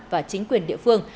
và chính quyền địa phương